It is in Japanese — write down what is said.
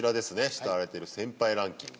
慕われてる先輩ランキング。